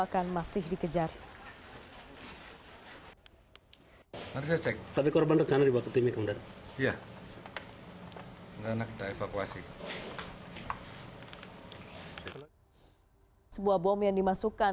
kami memilih yang sama sama